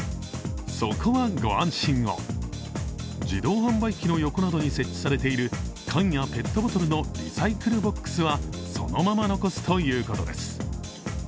自動販売機の横などに設置されている缶やペットボトルのリサイクルボックスはそのまま残すということです。